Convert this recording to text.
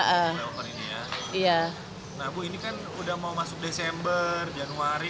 nah bu ini kan udah mau masuk desember januari